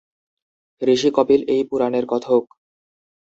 ঋষি কপিল এই পুরাণের কথক।